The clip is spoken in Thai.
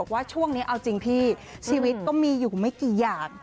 ว่าช่วงนี้เอาจริงพี่ชีวิตก็มีอยู่ไม่กี่อย่าง